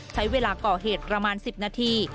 ใช้เวลาก่อเหตุประมาณ๑๐นาที